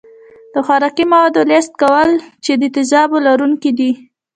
د خوراکي موادو لست کول چې د تیزابونو لرونکي دي.